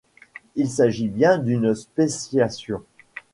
Il s'agit bien d'une spéciation.